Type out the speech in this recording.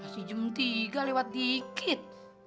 si jum tiga lewat dikit